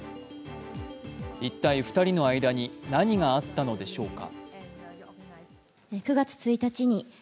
一体、２人の間に何があったのでしょうか。